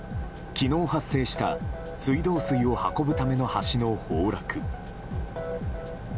昨日発生した水道水を運ぶための橋の崩落。